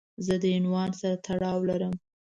زه د عنوان سره تړاو لرم.